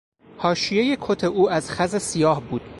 حاشیهی کت او از خز سیاه بود.